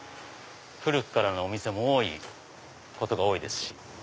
古くからのお店も多いことが多いですし。